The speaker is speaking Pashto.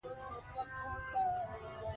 دوی له ختيځه راغلي وو